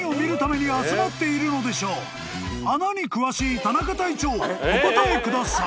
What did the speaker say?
［穴に詳しい田中隊長お答えください］